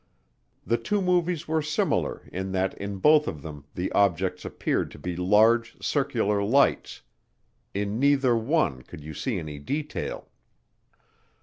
The two movies were similar in that in both of them the objects appeared to be large circular lights in neither one could you see any detail.